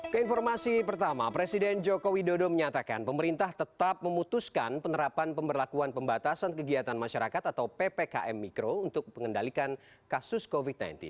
keinformasi pertama presiden joko widodo menyatakan pemerintah tetap memutuskan penerapan pemberlakuan pembatasan kegiatan masyarakat atau ppkm mikro untuk pengendalikan kasus covid sembilan belas